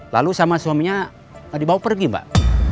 lalu sama suaminya dibawa pergi mbak